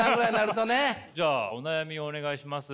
じゃあお悩みお願いします。